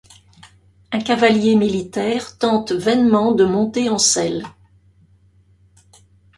Un cavalier militaire tente vainement de monter en selle.